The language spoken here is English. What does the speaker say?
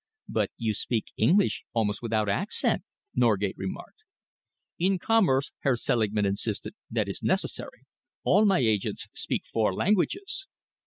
"But you speak English almost without accent," Norgate remarked. "In commerce," Herr Selingman insisted, "that is necessary. All my agents speak four languages."